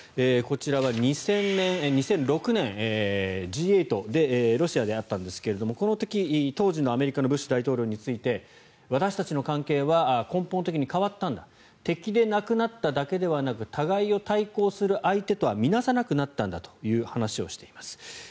こちらは２００６年Ｇ８でロシアであったんですがこの時、当時のアメリカのブッシュ大統領について私たちの関係は根本的に変わったんだ敵でなくなっただけではなく互いを対抗する相手とは見なさなくなったんだという話をしています。